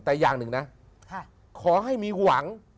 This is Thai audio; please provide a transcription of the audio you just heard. แต่อย่างหนึ่งนะขอให้มีหวัง